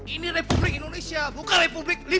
ini republik indonesia bukan republik